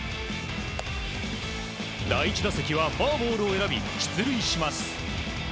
第１打席はフォアボールを選び出塁します。